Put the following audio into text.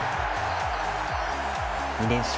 ２連勝